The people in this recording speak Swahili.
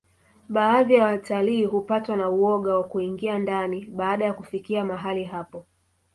baadhi ya watalii hupatwa na uoga wa kuingia ndani baada ya kufikia mahali hapo